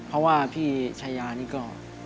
เพราะว่าพี่ชายานี่ก็